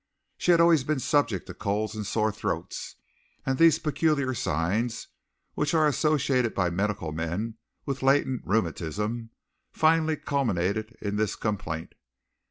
She had always been subject to colds and sore throats, and these peculiar signs, which are associated by medical men with latent rheumatism, finally culminated in this complaint.